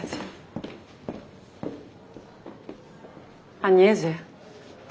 アニェーゼ。